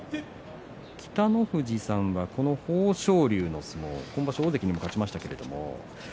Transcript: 北の富士さんはこの豊昇龍の相撲今場所、大関にも勝ちましたけれども。